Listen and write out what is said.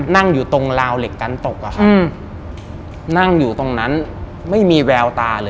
นั่งอยู่ตรงนั้นไม่มีแววตาเลย